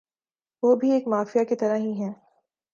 ۔ وہ بھی ایک مافیا کی طرح ھی ھیں